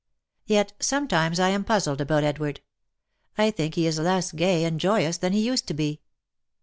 Yet, sometimes I am puzzled about Ed ward ! I think he is less gay and joyous than he used to be.